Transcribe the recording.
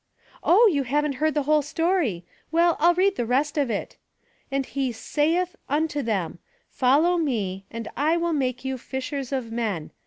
*' Oh, you haven't heard the whole story. Well, I'll read the rest of it. 'And he saith unto them: ''Follow me, and I will make you fishers of men.